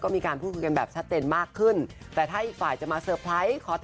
ผ่านทุกเลขที่เขาว่าผ่านมาหมดแล้วนะคะ